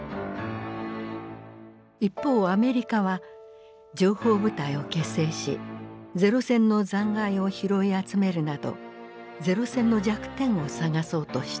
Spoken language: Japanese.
一方アメリカは情報部隊を結成し零戦の残骸を拾い集めるなど零戦の弱点を探そうとした。